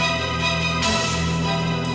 aku tak mau terbaca